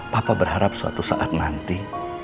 papa berharap suatu saat nanti